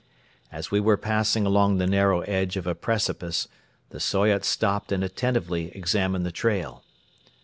As we were passing along the narrow edge of a precipice, the Soyot stopped and attentively examined the trail.